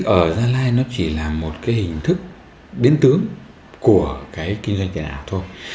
ở gia lai nó chỉ là một hình thức biến tướng của kinh doanh tiền ảo thôi